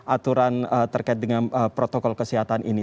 aturan terkait dengan protokol kesehatan ini